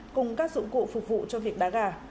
cùng các dụng cụ phục vụ cho việc đá gà